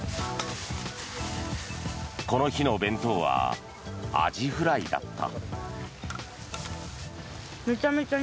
この日の弁当はアジフライだった。